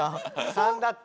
３だって。